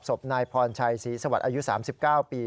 ศพนายพรชัยศรีสวัสดิ์อายุ๓๙ปี